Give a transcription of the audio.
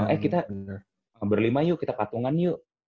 eh kita berlima yuk kita katungan yuk